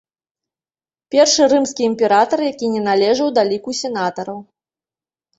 Першы рымскі імператар, які не належаў да ліку сенатараў.